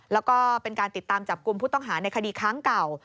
แล้วก็เป็นการติดตามจับกลุ่มผู้ต้องหาในคดีค้างเก่า